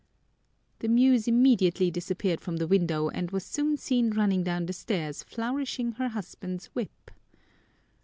The Muse immediately disappeared from the window and was soon seen running down the stairs flourishing her husband's whip.